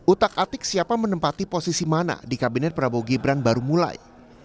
utak atik siapa menempati posisi mana di kabinet prabowo gibran baru mulai